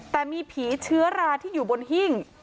แต่มีผีเชื้อราที่อยู่บนหิ้ง